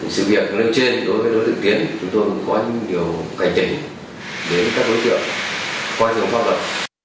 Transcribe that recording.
sự việc nơi trên đối với đối tượng tiến chúng tôi cũng có nhiều cải trình đến các đối tượng quan trọng pháp luật